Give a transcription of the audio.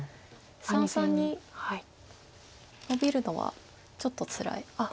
三々にノビるのはちょっとつらい。